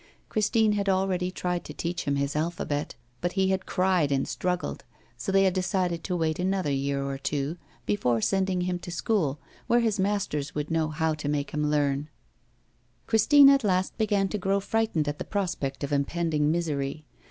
Christine had already tried to teach him his alphabet, but he had cried and struggled, so they had decided to wait another year or two before sending him to school, where his masters would know how to make him learn. Christine at last began to grow frightened at the prospect of impending misery.